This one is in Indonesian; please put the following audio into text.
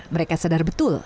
mereka sadar betul